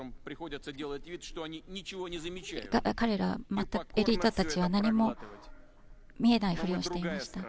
彼らは、またエリートたちは何も見えないふりをしていました。